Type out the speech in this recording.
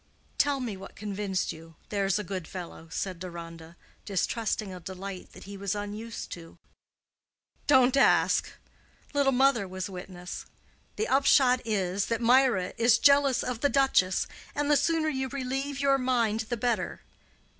"Tell me what convinced you—there's a good fellow," said Deronda, distrusting a delight that he was unused to. "Don't ask. Little mother was witness. The upshot is, that Mirah is jealous of the duchess, and the sooner you relieve your mind the better.